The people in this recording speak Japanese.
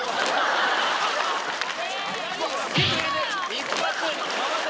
一発。